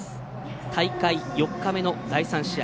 大会４日目の第３試合。